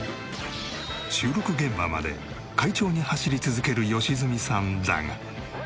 収録現場まで快調に走り続ける良純さんだが。